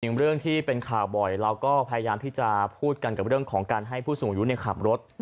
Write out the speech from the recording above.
เรื่องที่เป็นข่าวบ่อยเราก็พยายามที่จะพูดกันกับเรื่องของการให้ผู้สูงอายุขับรถ